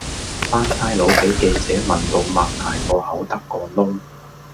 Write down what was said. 班差佬比記者問到擘大個口得個窿